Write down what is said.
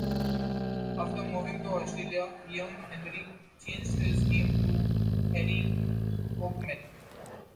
After moving to Australia, young Henry changed his name to Harry Oakman.